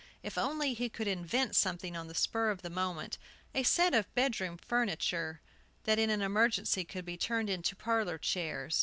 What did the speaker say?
If only he could invent something on the spur of the moment, a set of bedroom furniture, that in an emergency could be turned into parlor chairs!